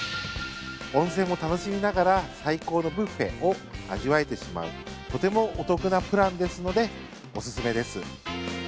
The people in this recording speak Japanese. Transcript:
温泉も楽しみながら最高のブッフェを味わえてしまうとてもお得なプランですのでおすすめです。